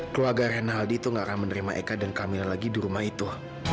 keluarga renaldi itu gak akan menerima eka dan kamil lagi di rumah itu